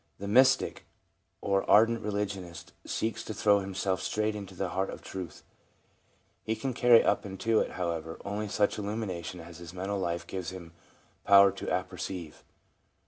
The mystic or ardent religionist seeks to throw himself straight into the heart of truth. He can carry up into it, however, only such illumination as his mental life gives him power to apperceive.